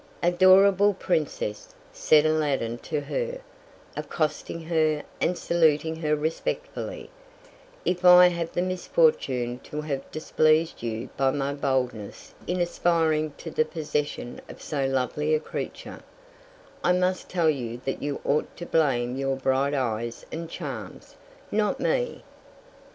_ "_Adorable Princess," said Aladdin to her, accosting her, and saluting her respectfully, "if I have the misfortune to have displeased you by my boldness in aspiring to the possession of so lovely a creature, I must tell you that you ought to blame your bright eyes and charms, not me.